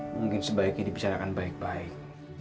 mungkin sebaiknya dibicarakan baik baik